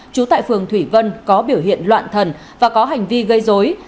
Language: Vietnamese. trú tại phường thủy vân có biểu hiện loạn thần và có hành vi gây dối